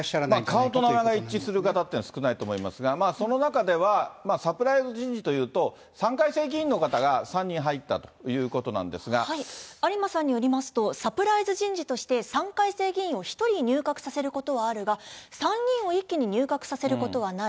顔と名前が一致する方というのは少ないと思いますが、その中では、サプライズ人事というと、３回生議員の方が３人入ったとい有馬さんによりますと、サプライズ人事として３回生議員を１人入閣させることはあるが、３人を一気に入閣させることはない。